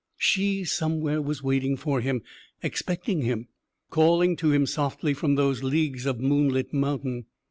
She somewhere was waiting for him, expecting him, calling to him softly from those leagues of moonlit mountain.